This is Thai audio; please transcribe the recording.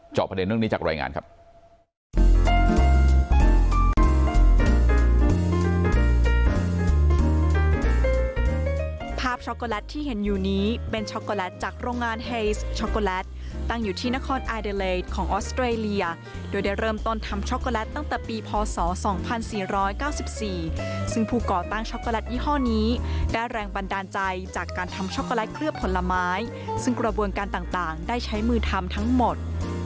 ประเด็นเรื่องนี้จากรายงานครับ